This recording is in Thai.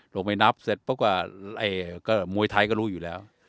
ลงไปนับเสร็จเพราะว่าไอ้ก็มวยไทยก็รู้อยู่แล้ว